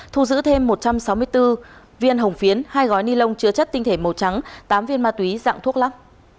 thu giữ thêm một trăm sáu mươi bốn viên hồng phiến hai gói ni lông chứa chất tinh thể màu trắng tám viên ma túy dạng thuốc lắc